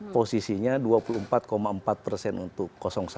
posisinya dua puluh empat empat persen untuk satu